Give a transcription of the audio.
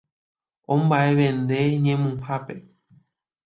Omba'evende ñemuhápe